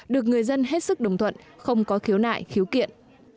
được người dân hết sức đồng thuận không có khiếu nại khiếu kiện